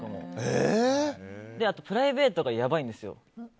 プライベートがやばいんですよ。